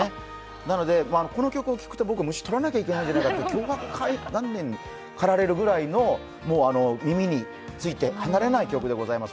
なので、この曲を聴くと僕は虫を取らなきゃいけないんじゃなきかと脅迫観念にかられるぐらいの耳について離れない曲でございます。